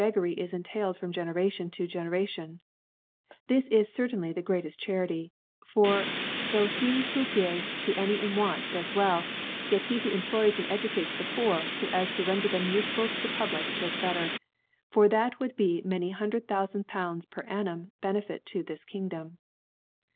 gary is entailed from Generation to Ge * ncration : This is certainly the greateft « Charity ; for though he who gives to any * in Want, do^s well, yet he who employs * and { 5S) * and educates the Poor, fo as to render * riiem iifeful to the Public does better >* for that would be many hundred thoufand * Pounds pier Am. Benefit to this King * dbm.